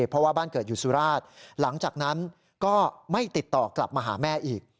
เพราะว่าบ้านเกิดอยู่สุราชหลังจากนั้นก็ไม่ติดต่อกลับมาหาแม่อีก